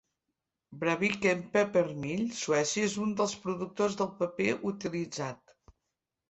Braviken Paper Mill, Suècia, és un dels productors del paper utilitzat.